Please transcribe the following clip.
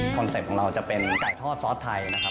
เป็ปต์ของเราจะเป็นไก่ทอดซอสไทยนะครับ